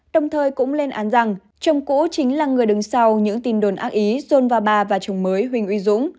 đồng thời cũng lên án rằng chồng cũ chính là người đứng sau những tin đồn ác ý dồn vào bà và chồng mới huỳnh uy dũng